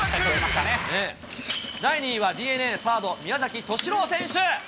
第２位はＤｅＮＡ、サード、宮崎敏郎選手。